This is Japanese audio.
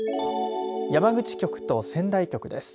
山口局と仙台局です。